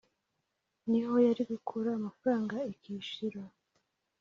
Niho yari gukura amafaranga ikishyura